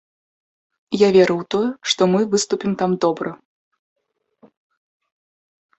Я веру ў тое, што мы выступім там добра.